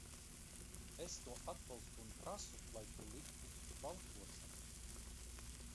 Es to atbalstu un prasu, lai to liktu uz balsošanu.